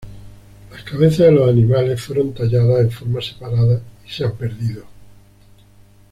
Las cabezas de los animales fueron talladas en forma separada y se han perdido.